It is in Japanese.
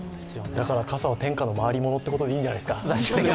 だから傘は天下の回りものってことでいいんじゃないですか。